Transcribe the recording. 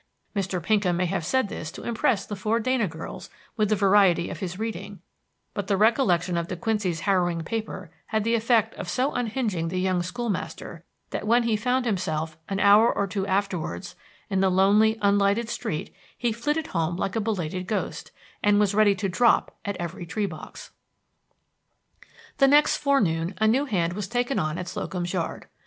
Mr. Pinkham may have said this to impress the four Dana girls with the variety of his reading, but the recollection of De Quincey's harrowing paper had the effect of so unhinging the young school master that when he found himself, an hour or two afterwards, in the lonely, unlighted street he flitted home like a belated ghost, and was ready to drop at every tree box. The next forenoon a new hand was taken on at Slocum's Yard.